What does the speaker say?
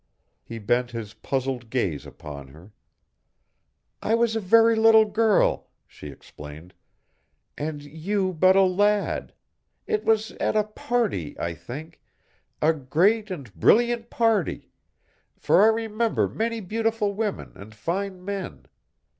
He bent his puzzled gaze upon her. "I was a very little girl," she explained, "and you but a lad. It was at a party, I think, a great and brilliant party, for I remember many beautiful women and fine men.